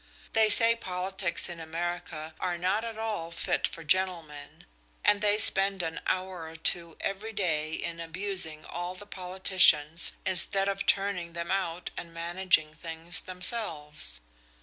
They say politics in America are not at all fit for gentlemen, and they spend an hour or two every day in abusing all the politicians, instead of turning them out and managing things themselves.